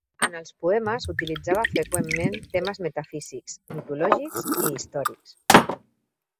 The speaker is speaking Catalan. En els poemes utilitzava freqüentment temes metafísics, mitològics i històrics.